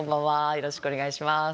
よろしくお願いします。